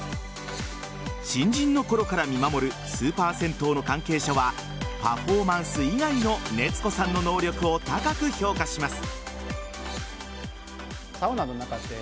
新人のころから見守るスーパー銭湯の関係者はパフォーマンス以外の熱子さんの能力を高く評価します。